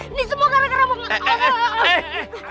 ini semua gara gara bang arak